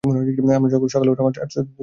আমরা সকালে উঠলাম আর চতুর্দিক জলে ভেসে গেছে।